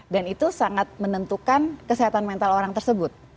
dan itu sangat menentukan kesehatan mental orang tersebut